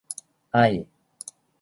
ไอ้